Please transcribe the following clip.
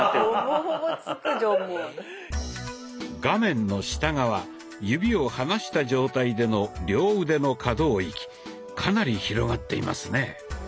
画面の下側指を離した状態での両腕の可動域かなり広がっていますね。